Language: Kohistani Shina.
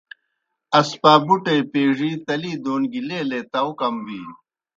اسپابُٹے پیڙِی تلی دون گیْ لیلے تاؤ کم بِینیْ۔